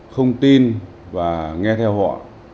không tin và nghe theo họ